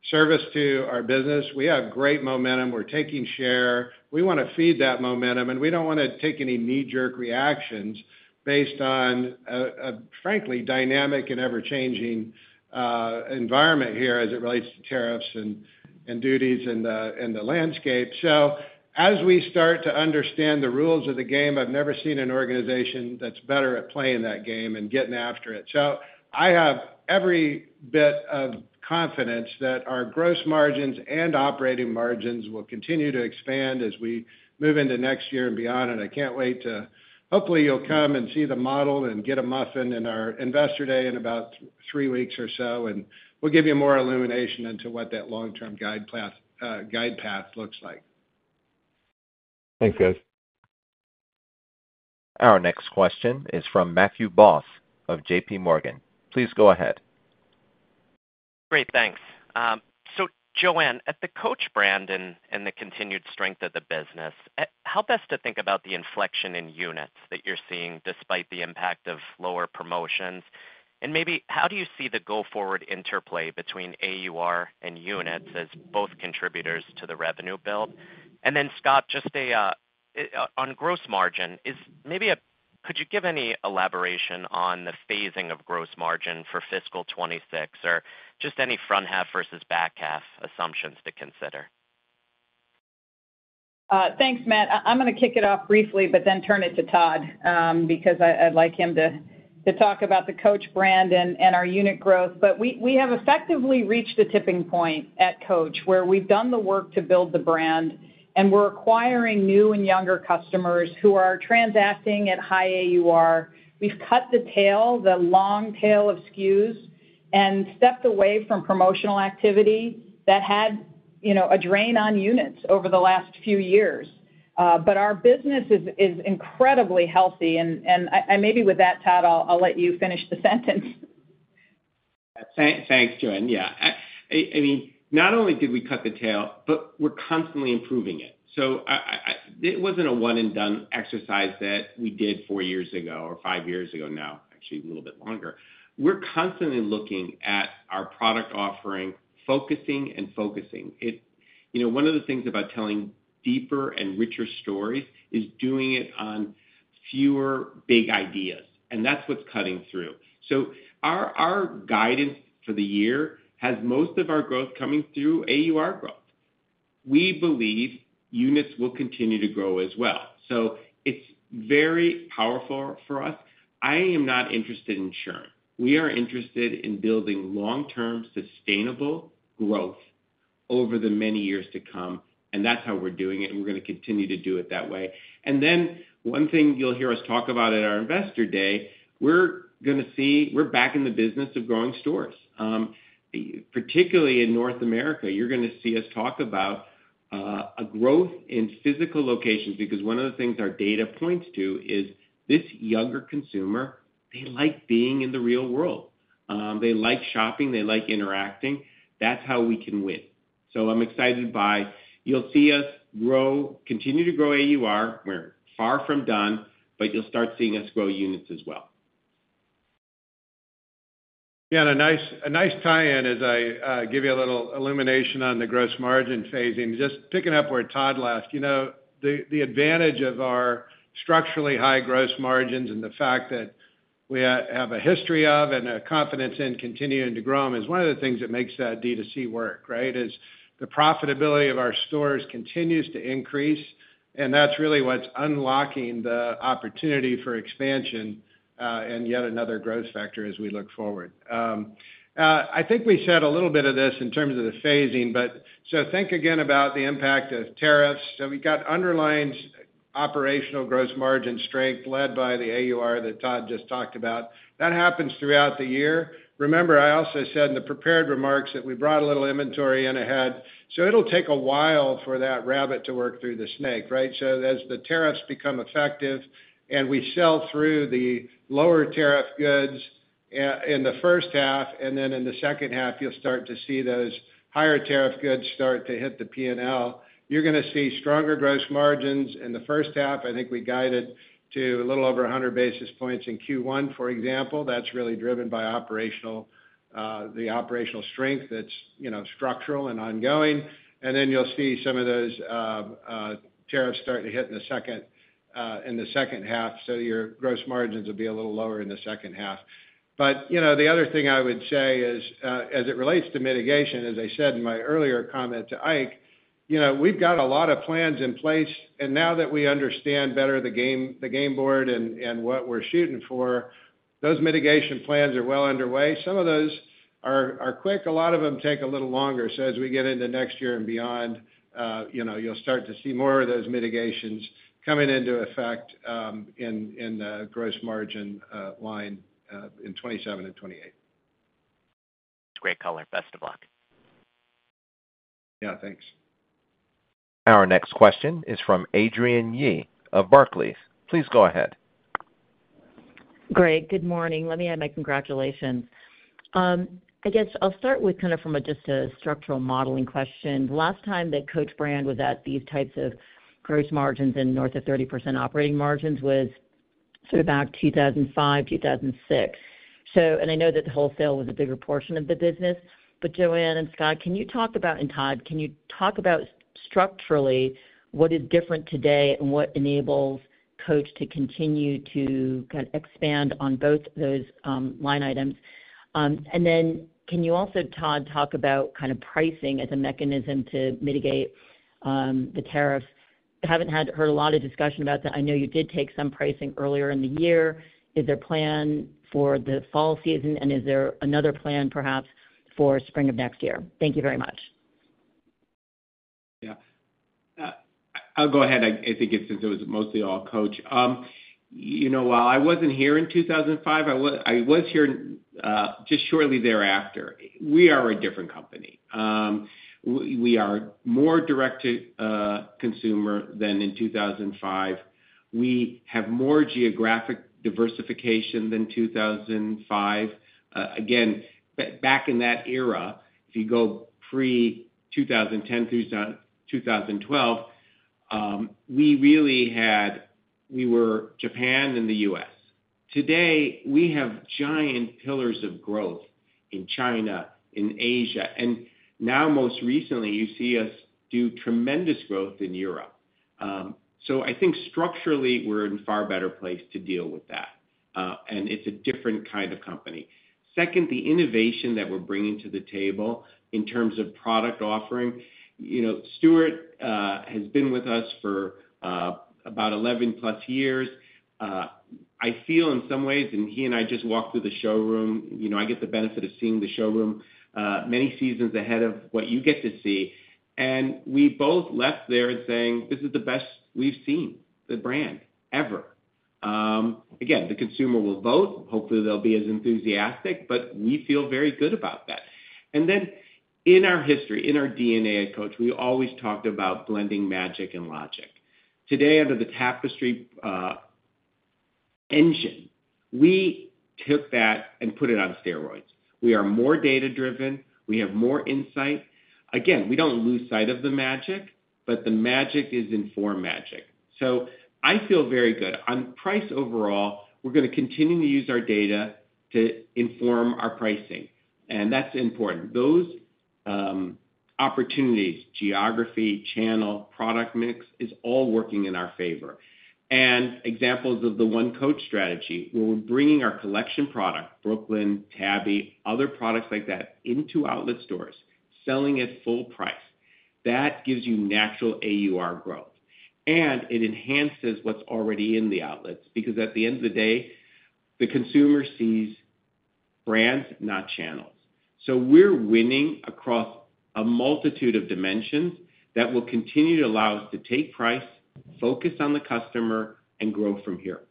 Speaker 4: service to our business. We have great momentum. We're taking share. We want to feed that momentum and we don't want to take any knee-jerk reactions based on a frankly dynamic and ever-changing environment here as it relates to tariffs and duties and the landscape. As we start to understand the rules of the game, I've never seen an organization that's better at playing that game and getting after it. I have every bit of confidence that our gross margins and operating margins will continue to expand as we move into next year and beyond. I can't wait to hopefully you'll come and see the model and get a muffin at our Investor Day in about three weeks or so. We'll give you more illumination into what that long-term guide path looks like.
Speaker 7: Thanks, guys.
Speaker 1: Our next question is from Matthew Boss of JPMorgan. Please go ahead.
Speaker 8: Great, thanks. Joanne, at the Coach brand and the continued strength of the business, how best to think about the inflection in units that you're seeing despite the impact of lower promotions? How do you see the go-forward interplay between AUR and units as both contributors to the revenue build? Scott, just on gross margin, could you give any elaboration on the phasing of gross margin for fiscal 2026 or any front half versus back half assumptions to consider?
Speaker 3: Thanks, Matt. I'm going to kick it off briefly, but then turn it to Todd because I'd like him to talk about the Coach brand and our unit growth. We have effectively reached the tipping point at Coach where we've done the work to build the brand and we're acquiring new and younger customers who are transacting at high AUR. We've cut the tail, the long tail of SKUs, and stepped away from promotional activity that had a drain on units over the last few years. Our business is incredibly healthy. Maybe with that, Todd, I'll let you finish the sentence.
Speaker 6: Thanks, Joanne. Yeah, I mean, not only did we cut the tail, but we're constantly improving it. It wasn't a one-and-done exercise that we did four years ago or five years ago. No, actually a little bit longer. We're constantly looking at our product offering, focusing and focusing. One of the things about telling deeper and richer stories is doing it on fewer big ideas. That's what's cutting through. Our guidance for the year has most of our growth coming through AUR growth. We believe units will continue to grow as well. It's very powerful for us. I am not interested in churn. We are interested in building long-term sustainable growth over the many years to come. That's how we're doing it. We're going to continue to do it that way. One thing you'll hear us talk about at our Investor Day, we're going to see we're back in the business of growing stores. Particularly in North America, you're going to see us talk about a growth in physical locations because one of the things our data points to is this younger consumer, they like being in the real world. They like shopping. They like interacting. That's how we can win. I'm excited by you'll see us grow, continue to grow AUR. We're far from done, but you'll start seeing us grow units as well.
Speaker 4: Yeah, and a nice tie-in as I give you a little illumination on the gross margin phasing. Just picking up where Todd left, you know, the advantage of our structurally high gross margins and the fact that we have a history of and a confidence in continuing to grow them is one of the things that makes that D2C work, right? The profitability of our stores continues to increase. That's really what's unlocking the opportunity for expansion and yet another growth factor as we look forward. I think we said a little bit of this in terms of the phasing, but think again about the impact of tariffs. We've got underlying operational gross margin strength led by the AUR that Todd just talked about. That happens throughout the year. Remember, I also said in the prepared remarks that we brought a little inventory in ahead. It'll take a while for that rabbit to work through the snake, right? As the tariffs become effective and we sell through the lower tariff goods in the first half, then in the second half, you'll start to see those higher tariff goods start to hit the P&L. You're going to see stronger gross margins in the first half. I think we guided to a little over 100 basis points in Q1, for example. That's really driven by the operational strength that's structural and ongoing. Then you'll see some of those tariffs start to hit in the second half. Your gross margins will be a little lower in the second half. The other thing I would say is as it relates to mitigation, as I said in my earlier comment to Ike, we've got a lot of plans in place. Now that we understand better the game board and what we're shooting for, those mitigation plans are well underway. Some of those are quick. A lot of them take a little longer. As we get into next year and beyond, you'll start to see more of those mitigations coming into effect in the gross margin line in 2027 and 2028.
Speaker 8: Great color. Best of luck.
Speaker 4: Yeah, thanks.
Speaker 1: Our next question is from Adrienne Yih of Barclays. Please go ahead.
Speaker 9: Great. Good morning. Let me add my congratulations. I guess I'll start with kind of from just a structural modeling question. The last time that Coach brand was at these types of gross margins and north of 30% operating margins was sort of about 2005, 2006. I know that the wholesale was a bigger portion of the business, but Joanne and Scott, can you talk about, and Todd, can you talk about structurally what is different today and what enables Coach to continue to kind of expand on both those line items? Can you also, Todd, talk about kind of pricing as a mechanism to mitigate the tariffs? I haven't heard a lot of discussion about that. I know you did take some pricing earlier in the year. Is there a plan for the fall season? Is there another plan perhaps for spring of next year? Thank you very much.
Speaker 6: Yeah. I'll go ahead. I think since it was mostly all Coach. While I wasn't here in 2005, I was here just shortly thereafter. We are a different company. We are more direct-to-consumer than in 2005. We have more geographic diversification than 2005. Back in that era, if you go pre-2010 through 2012, we really had, we were Japan and the U.S. Today, we have giant pillars of growth in China, in Asia, and now most recently you see us do tremendous growth in Europe. I think structurally we're in a far better place to deal with that. It's a different kind of company. Second, the innovation that we're bringing to the table in terms of product offering, Stuart has been with us for about 11+ years. I feel in some ways, and he and I just walked through the showroom, I get the benefit of seeing the showroom many seasons ahead of what you get to see. We both left there and saying, this is the best we've seen the brand ever. The consumer will vote. Hopefully, they'll be as enthusiastic, but we feel very good about that. In our history, in our DNA at Coach, we always talked about blending magic and logic. Today, under the Tapestry engine, we took that and put it on steroids. We are more data-driven. We have more insight. We don't lose sight of the magic, but the magic is informed magic. I feel very good. On price overall, we're going to continue to use our data to inform our pricing. That's important. Those opportunities, geography, channel, product mix is all working in our favor. Examples of the One Coach strategy, where we're bringing our collection product, Brooklyn, Tabby, other products like that into outlet stores, selling at full price. That gives you natural AUR growth. It enhances what's already in the outlets because at the end of the day, the consumer sees brands, not channels. We're winning across a multitude of dimensions that will continue to allow us to take price, focus on the customer, and grow from here.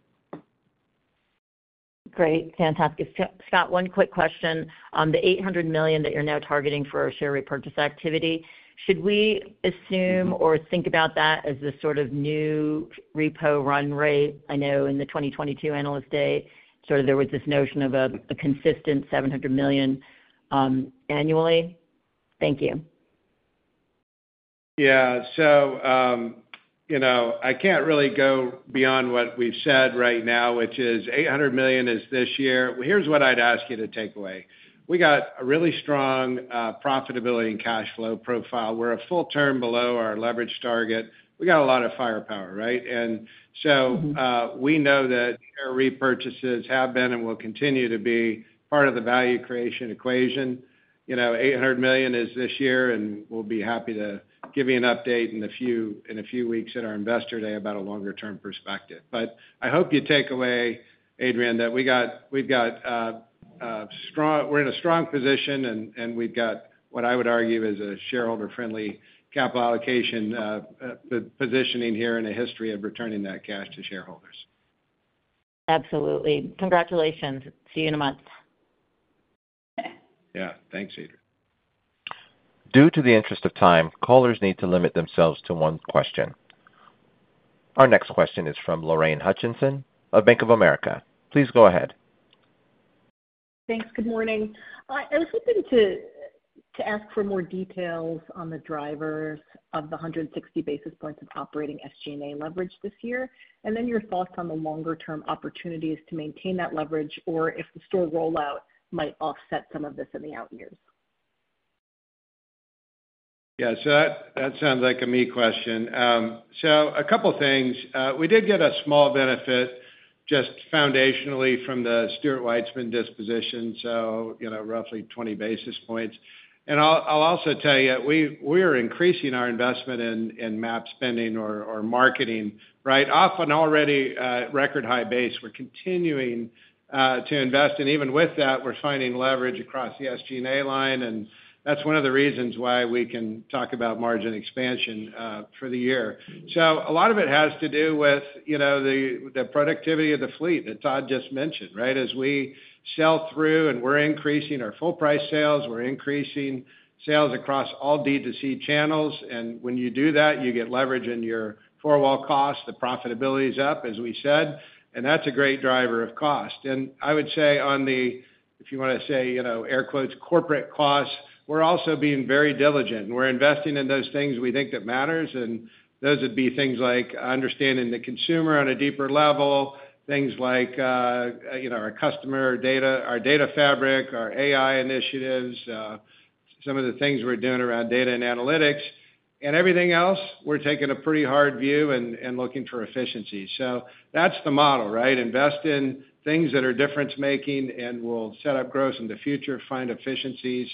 Speaker 9: Great. Fantastic. Scott, one quick question. The $800 million that you're now targeting for our share repurchase activity, should we assume or think about that as this sort of new repo run rate? I know in the 2022 analyst day, there was this notion of a consistent $700 million annually. Thank you.
Speaker 4: Yeah, so you know, I can't really go beyond what we've said right now, which is $800 million is this year. Here's what I'd ask you to take away. We got a really strong profitability and cash flow profile. We're a full turn below our leverage target. We got a lot of firepower, right? We know that our repurchases have been and will continue to be part of the value creation equation. You know, $800 million is this year, and we'll be happy to give you an update in a few weeks at our Investor Day about a longer-term perspective. I hope you take away, Adrienne, that we're in a strong position, and we've got what I would argue is a shareholder-friendly capital allocation positioning here in a history of returning that cash to shareholders.
Speaker 9: Absolutely. Congratulations. See you in a month.
Speaker 4: Yeah, thanks, Adrienne.
Speaker 1: Due to the interest of time, callers need to limit themselves to one question. Our next question is from Lorraine Hutchinson of Bank of America. Please go ahead.
Speaker 10: Thanks. Good morning. I was hoping to ask for more details on the drivers of the 160 basis points of operating SG&A leverage this year, and then your thoughts on the longer-term opportunities to maintain that leverage, or if the store rollout might offset some of this in the out years.
Speaker 4: Yeah, that sounds like a me question. A couple of things. We did get a small benefit just foundationally from the Stuart Weitzman disposition, so, you know, roughly 20 basis points. I'll also tell you, we are increasing our investment in MAP spending or marketing, right? Off an already record high base, we're continuing to invest, and even with that, we're finding leverage across the SG&A line, and that's one of the reasons why we can talk about margin expansion for the year. A lot of it has to do with, you know, the productivity of the fleet that Todd just mentioned, right? As we sell through and we're increasing our full-price sales, we're increasing sales across all D2C channels, and when you do that, you get leverage in your four-wall cost. The profitability is up, as we said, and that's a great driver of cost. I would say on the, if you want to say, you know, air quotes, corporate costs, we're also being very diligent, and we're investing in those things we think that matter, and those would be things like understanding the consumer on a deeper level, things like, you know, our customer data, our data fabric, our AI initiatives, some of the things we're doing around data and analytics, and everything else, we're taking a pretty hard view and looking for efficiencies. That's the model, right? Invest in things that are difference-making, and we'll set up growth in the future, find efficiencies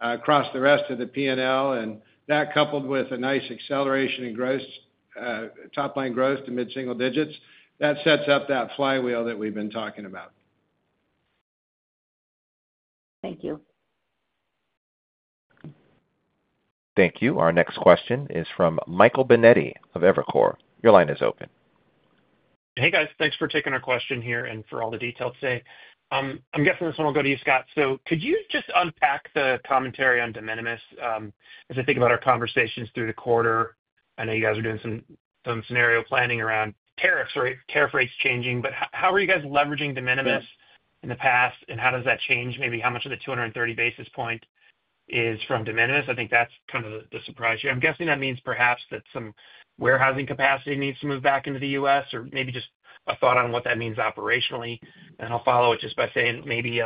Speaker 4: across the rest of the P&L, and that coupled with a nice acceleration in gross, top-line growth to mid-single digits, that sets up that flywheel that we've been talking about.
Speaker 10: Thank you.
Speaker 1: Thank you. Our next question is from Michael Binetti of Evercore. Your line is open.
Speaker 11: Hey guys, thanks for taking our question here and for all the details today. I'm guessing this one will go to you, Scott. Could you just unpack the commentary on de minimis as I think about our conversations through the quarter? I know you guys are doing some scenario planning around tariffs rates changing, but how are you guys leveraging de minimis in the past, and how does that change? Maybe how much of the 230 basis points is from de minimis? I think that's kind of the surprise here. I'm guessing that means perhaps that some warehousing capacity needs to move back into the U.S., or maybe just a thought on what that means operationally. I'll follow it just by saying maybe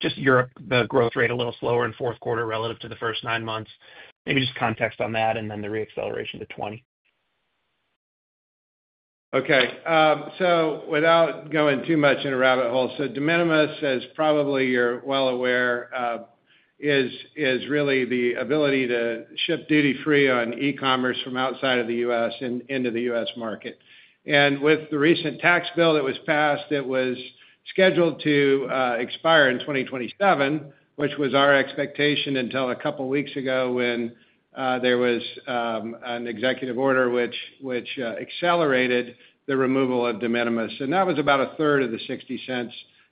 Speaker 11: just Europe, the growth rate a little slower in fourth quarter relative to the first nine months. Maybe just context on that and then the reacceleration to 20%.
Speaker 4: Okay, without going too much in a rabbit hole, de minimis, as probably you're well aware, is really the ability to ship duty-free on e-commerce from outside of the U.S. and into the U.S. market. With the recent tax bill that was passed, it was scheduled to expire in 2027, which was our expectation until a couple of weeks ago when there was an executive order which accelerated the removal of de minimis. That was about a third of the $0.60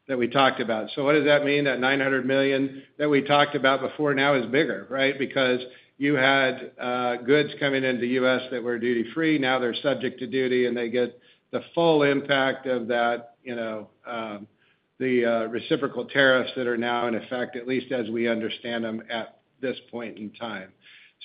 Speaker 4: that we talked about. What does that mean? That $900 million that we talked about before now is bigger, right? You had goods coming into the U.S. that were duty-free, now they're subject to duty, and they get the full impact of that, the reciprocal tariffs that are now in effect, at least as we understand them at this point in time.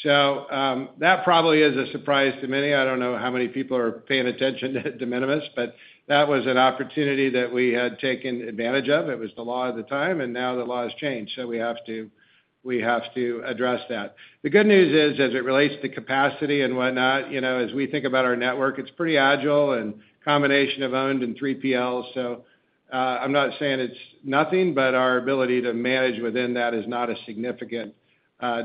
Speaker 4: That probably is a surprise to many. I don't know how many people are paying attention to de minimis, but that was an opportunity that we had taken advantage of. It was the law at the time, and now the law has changed. We have to address that. The good news is, as it relates to capacity and whatnot, as we think about our network, it's pretty agile and a combination of owned and 3PL. I'm not saying it's nothing, but our ability to manage within that is not a significant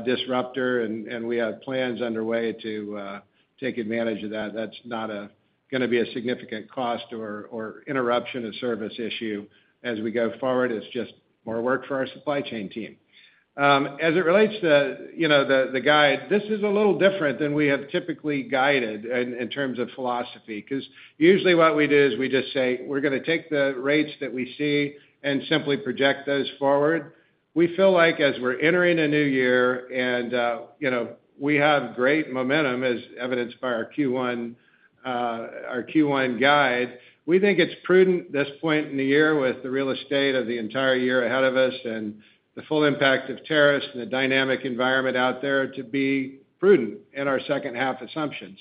Speaker 4: disruptor, and we have plans underway to take advantage of that. That's not going to be a significant cost or interruption of service issue as we go forward. It's just more work for our supply chain team. As it relates to the guide, this is a little different than we have typically guided in terms of philosophy, because usually what we do is we just say we're going to take the rates that we see and simply project those forward. We feel like as we're entering a new year and we have great momentum, as evidenced by our Q1 guide, we think it's prudent at this point in the year with the real estate of the entire year ahead of us and the full impact of tariffs and the dynamic environment out there to be prudent in our second half assumptions.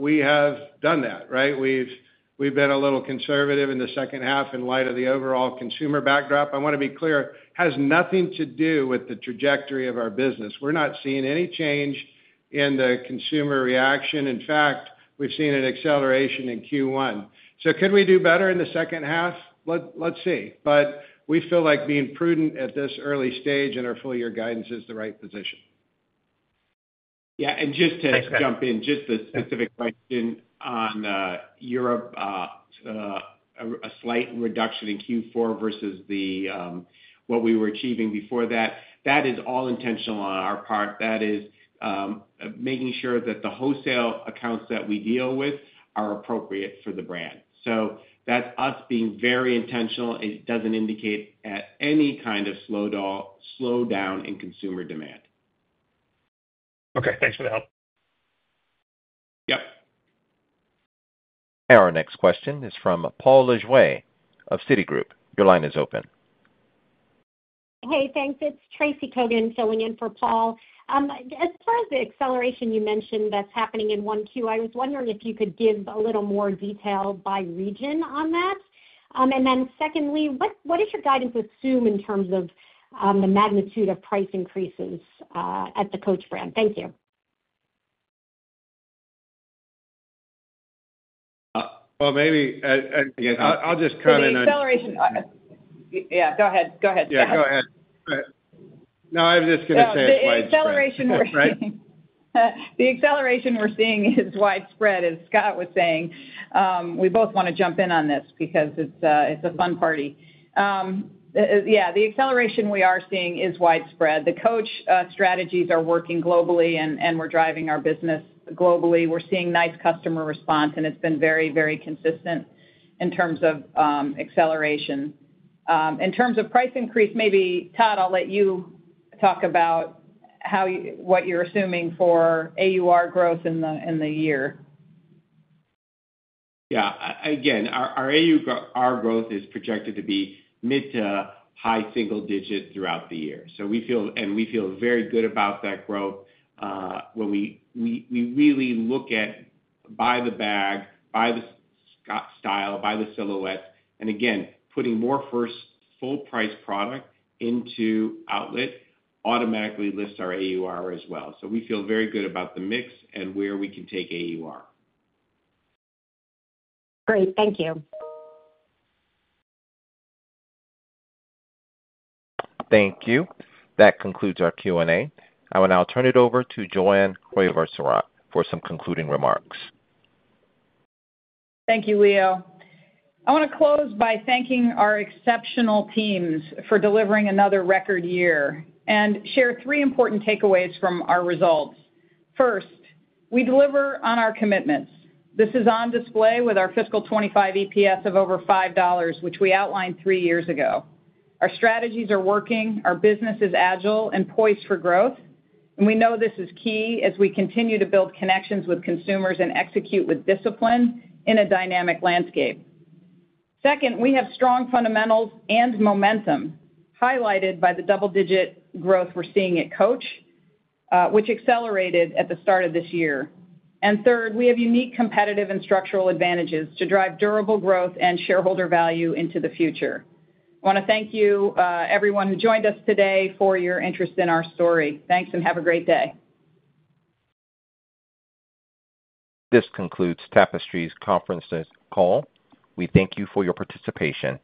Speaker 4: We have done that, right? We've been a little conservative in the second half in light of the overall consumer backdrop. I want to be clear, it has nothing to do with the trajectory of our business. We're not seeing any change in the consumer reaction. In fact, we've seen an acceleration in Q1. Could we do better in the second half? Let's see. We feel like being prudent at this early stage in our full-year guidance is the right position.
Speaker 6: Yeah, just to jump in, the specific question on Europe, a slight reduction in Q4 versus what we were achieving before that is all intentional on our part. That is making sure that the wholesale accounts that we deal with are appropriate for the brand. That's us being very intentional. It doesn't indicate any kind of slowdown in consumer demand.
Speaker 11: Okay, thanks for the help.
Speaker 4: Yep.
Speaker 1: Our next question is from Paul Lejuez of Citigroup. Your line is open.
Speaker 12: Hey, thanks. It's Tracy Kogan filling in for Paul. As far as the acceleration you mentioned that's happening in 1Q, I was wondering if you could give a little more detail by region on that. Secondly, what is your guidance with Zoom in terms of the magnitude of price increases at the Coach brand? Thank you.
Speaker 4: Maybe I'll just comment on.
Speaker 3: The acceleration, yeah, go ahead. Go ahead, Scott.
Speaker 4: Yeah, go ahead. No, I was just going to say.
Speaker 3: The acceleration we're seeing is widespread, as Scott was saying. We both want to jump in on this because it's a fun party. The acceleration we are seeing is widespread. The Coach strategies are working globally, and we're driving our business globally. We're seeing nice customer response, and it's been very, very consistent in terms of acceleration. In terms of price increase, maybe Todd, I'll let you talk about what you're assuming for AUR growth in the year.
Speaker 6: Yeah, again, our AUR growth is projected to be mid to high single digit throughout the year. We feel very good about that growth when we really look at buy the bag, buy the style, buy the silhouette. Again, putting more first full-price product into outlet automatically lifts our AUR as well. We feel very good about the mix and where we can take AUR.
Speaker 12: Great, thank you.
Speaker 1: Thank you. That concludes our Q&A. I will now turn it over to Joanne Crevoiserat for some concluding remarks.
Speaker 3: Thank you, Leo. I want to close by thanking our exceptional teams for delivering another record year and share three important takeaways from our results. First, we deliver on our commitments. This is on display with our fiscal 2025 EPS of over $5, which we outlined three years ago. Our strategies are working, our business is agile and poised for growth, and we know this is key as we continue to build connections with consumers and execute with discipline in a dynamic landscape. Second, we have strong fundamentals and momentum highlighted by the double-digit growth we're seeing at Coach, which accelerated at the start of this year. Third, we have unique competitive and structural advantages to drive durable growth and shareholder value into the future. I want to thank everyone who joined us today for your interest in our story. Thanks and have a great day.
Speaker 1: This concludes Tapestry's conference call. We thank you for your participation.